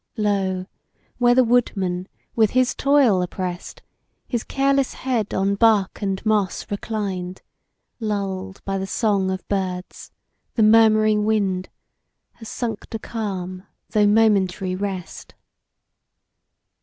Lo! where the Woodman, with his toil oppress'd, His careless head on bark and moss reclined, Lull'd by the song of birds, the murmuring wind, Has sunk to calm though momentary rest.